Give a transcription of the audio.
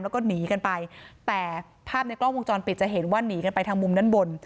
แล้วก็หนีกันไปแต่ภาพในกล้องวงจรปิดจะเห็นว่าหนีกันไปทางมุมด้านบน